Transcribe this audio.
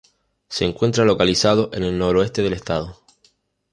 Se encuentra localizado en el noroeste del estado.